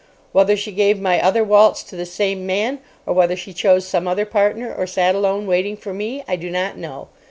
Whether she gave my other waltz to the same man, or whether she chose some other partner, or sat alone waiting for me, I do not know.